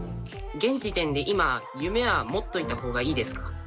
現時点で今夢は持っといた方がいいですか？